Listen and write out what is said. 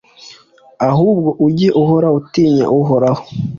ahubwo ujye uhora utinya uhoraho